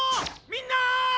みんな！